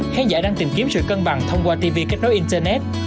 khán giả đang tìm kiếm sự cân bằng thông qua tv kết nối internet